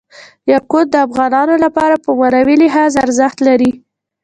یاقوت د افغانانو لپاره په معنوي لحاظ ارزښت لري.